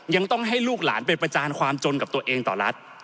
ยังต้องให้ลูกหลานไปประจานความจนกับตัวเองต่อรัฐ